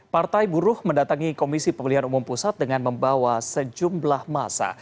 partai buruh mendatangi komisi pemilihan umum pusat dengan membawa sejumlah masa